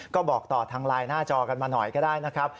ก็บอกต่อทางไลน์หน้าจอกันมาหน่อยก็ได้นะครับ